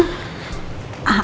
di depan ada tamu